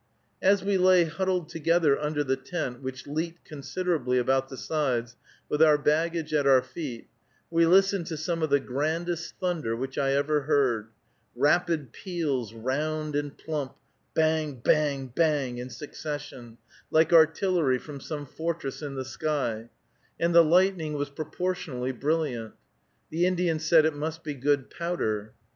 As we lay huddled together under the tent, which leaked considerably about the sides, with our baggage at our feet, we listened to some of the grandest thunder which I ever heard, rapid peals, round and plump, bang, bang, bang, in succession, like artillery from some fortress in the sky; and the lightning was proportionally brilliant. The Indian said, "It must be good powder."